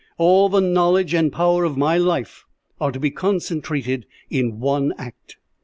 All the knowledge and power of my life are to be concentrated in one act.'